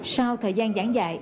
sau thời gian giảng dạy